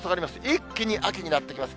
一気に秋になってきます。